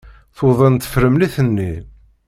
Tuḍen tefremlit-nni.